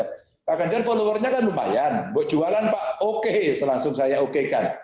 pak ganjar followernya kan lumayan buat jualan pak oke langsung saya oke kan